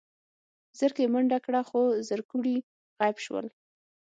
زرکې منډه کړه خو زرکوړي غيب شول.